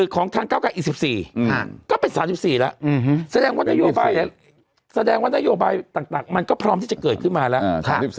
ของทางเก้าไกร๒๔เสียงก็เป็น๓๔เสียงว่านโยบายต่างมันก็พร้อมที่จะเกิดขึ้นมาแล้ว